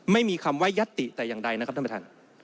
ไม่มีคำว่ายัตติแต่อย่างใดนะครับท่านประธาน